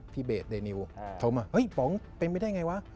เบสเดนิวโทรมาเฮ้ยป๋องเป็นไปได้ไงวะ